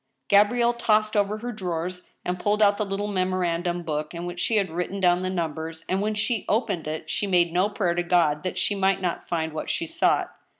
Gabrielle tossed over her drawers and pulled out the little memo randum book in which she had written down the numbers, and when she opened it she made no prayer to God that she might not find what she sought.